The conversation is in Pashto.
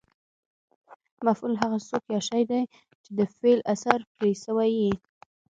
مفعول هغه څوک یا شی دئ، چي د فعل اثر پر سوی يي.